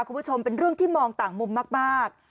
คุณผู้ชมเป็นเรื่องที่มองต่างมุมมาก